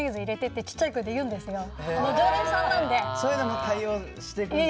そういうのも対応してくれるんですか？